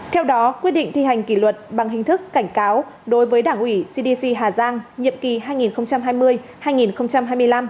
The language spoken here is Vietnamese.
theo đó quyết định thi hành kỷ luật bằng hình thức cảnh cáo đối với đảng ủy cdc hà giang nhiệm kỳ hai nghìn hai mươi hai nghìn hai mươi năm